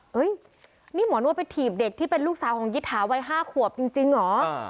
เฮ้ยนี่หมอนวดไปถีบเด็กที่เป็นลูกสาวของยิทาวัย๕ขวบจริงเหรอ